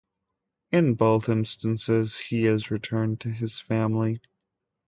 In both instances, he is returned to his family.